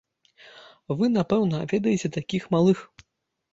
Вы, напэўна, ведаеце такіх малых.